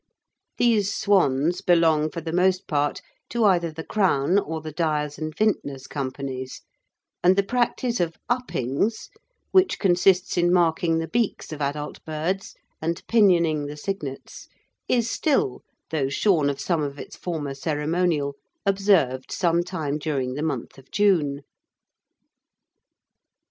These swans belong for the most part to either the Crown or the Dyers' and Vintners' Companies, and the practice of "uppings," which consists in marking the beaks of adult birds and pinioning the cygnets, is still, though shorn of some of its former ceremonial, observed some time during the month of June.